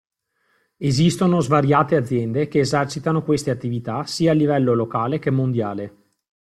Esistono svariate aziende che esercitano queste attività sia a livello locale che mondiale.